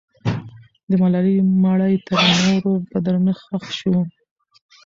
د ملالۍ مړی تر نورو په درنښت ښخ سو.